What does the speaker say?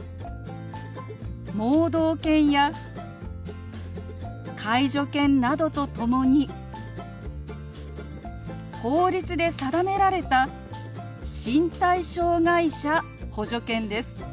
盲導犬や介助犬などと共に法律で定められた身体障害者補助犬です。